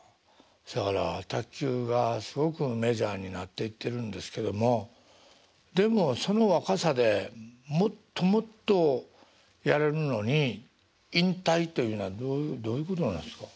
そやから卓球がすごくメジャーになっていってるんですけどもでもその若さでもっともっとやれるのに引退というのはどういうことなんですか？